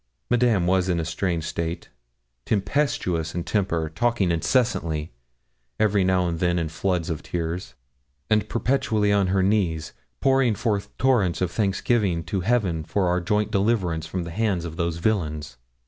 Madame was in a strange state tempestuous in temper, talking incessantly every now and then in floods of tears, and perpetually on her knees pouring forth torrents of thanksgiving to Heaven for our joint deliverance from the hands of those villains.